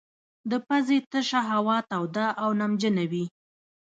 د پزې تشه هوا توده او نمجنه کوي.